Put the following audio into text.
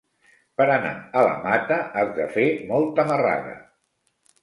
Per anar a la Mata has de fer molta marrada.